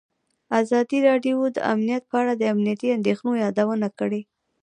ازادي راډیو د امنیت په اړه د امنیتي اندېښنو یادونه کړې.